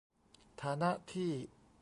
ฐานะที่